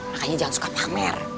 makanya jangan suka pamer